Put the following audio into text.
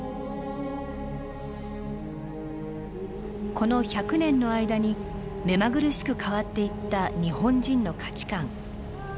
この１００年の間に目まぐるしく変わっていった日本人の価値観。